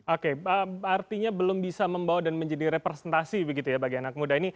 oke artinya belum bisa membawa dan menjadi representasi begitu ya bagi anak muda ini